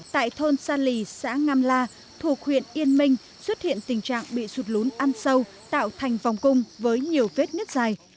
tại thôn sa lì xã ngam la thuộc huyện yên minh xuất hiện tình trạng bị sụt lún ăn sâu tạo thành vòng cung với nhiều vết nứt dài